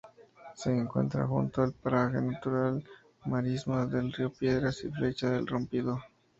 Se encuentra junto al Paraje Natural Marismas del Río Piedras y Flecha del Rompido.